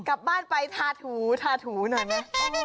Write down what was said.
กลับบ้านไปทาถูทาถูหน่อยไหม